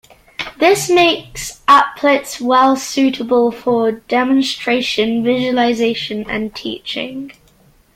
This makes applets well suitable for demonstration, visualization, and teaching.